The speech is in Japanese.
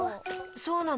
そうなの？